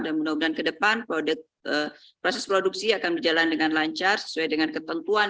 dan menurut kita ke depan proses produksi akan berjalan dengan lancar sesuai dengan ketentuan